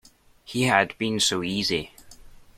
He had been so easy.